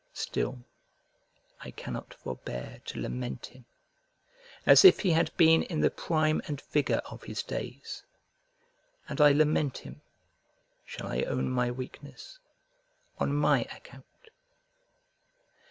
Still I cannot forbear to lament him, as if he had been in the prime and vigour of his days; and I lament him (shall I own my weakness?) on my account.